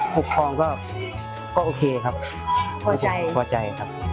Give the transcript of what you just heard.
ปกครองก็โอเคครับพอใจครับ